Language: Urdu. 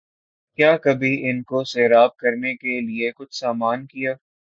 کیا کبھی ان کو سیراب کرنے کیلئے کچھ سامان کیا